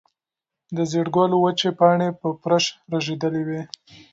د زېړ ګل وچې پاڼې پر فرش رژېدلې وې.